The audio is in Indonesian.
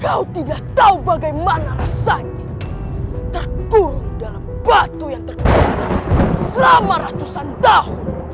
kau tidak tahu bagaimana rasanya terkurung dalam batu yang terkumpul selama ratusan tahun